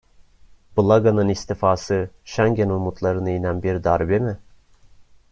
Blaga'nın istifası Schengen umutlarına inen bir darbe mi?